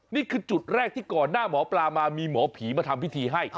นี่คือจุดแรกที่ก่อนหน้าหมอปลามามีหมอผีมาทำพิธีให้